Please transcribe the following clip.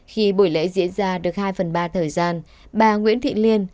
khi buổi lễ diễn ra được hai phần ba thời gian bà nguyễn thị liên